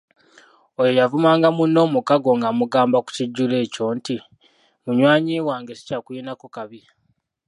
Oyo eyavumanga munne omukago ng’amugamba ku kijjulo ekyo nti, “munywanyi wange sikyakulinako kabi.